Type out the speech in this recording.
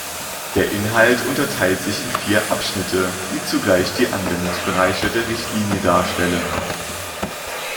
Der Inhalt unterteilt sich in vier Abschnitte, die zugleich die Anwendungsbereiche der Richtlinie darstellen.